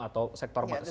atau sektor manusia